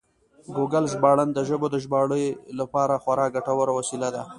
ګوګل ژباړن د ژبو د ژباړې لپاره خورا ګټور وسیله ده.